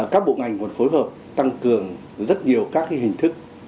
các bộ ngành còn phối hợp tăng cường rất nhiều các hình thức